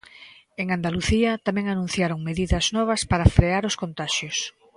En Andalucía tamén anunciaron medidas novas para frear os contaxios.